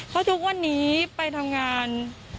เพราะทุกวันนี้ไปทำงาน